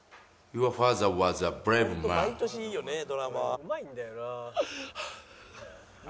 「うまいんだよな」